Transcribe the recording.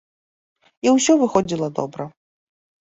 І ўсё выходзіла добра.